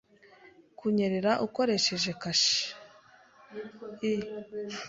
kunyerera ukoresheje kashe; i